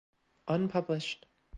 Unpublished.